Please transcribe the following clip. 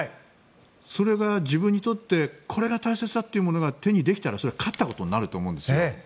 それが自分にとってこれが大切だっていうものが手にできたらそれは勝ったことになると思うんですよ。